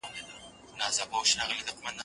کتابونه لوستل کړه؟!